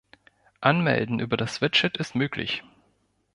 Anmelden über das Widget ist möglich.